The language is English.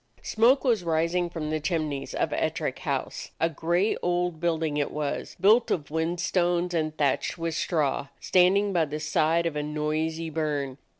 Smoke was rising from the chimneys of Ettrick House. A gray old building it was, built of whin stones and thatched with straw, standing by the side of a noisy burn.